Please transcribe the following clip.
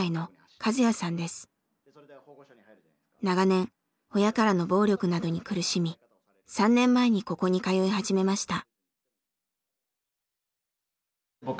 長年親からの暴力などに苦しみ３年前にここに通い始めました。